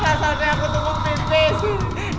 rasanya aku tuh mau pimpin